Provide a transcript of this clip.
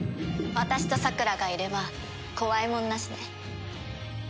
私とさくらがいれば怖いもんなしね。